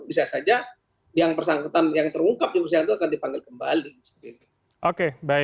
bisa saja yang terungkap itu akan dipanggil kembali